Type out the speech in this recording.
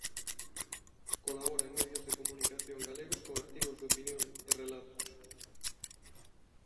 Colabora en medios de comunicación galegos con artigos de opinión e relatos.